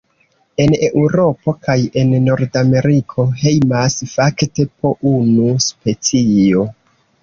En Eŭropo kaj en Nordameriko hejmas fakte po unu specio.